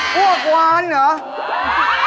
กล้วงวานเหรอ